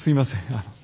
あの。